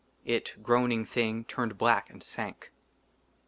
IT, GROANING THING, TURNED BLACK AND SANK.